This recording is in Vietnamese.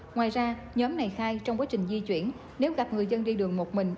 ngoài ra nhóm này khai trong quá trình di chuyển nếu gặp người dân đi đường một mình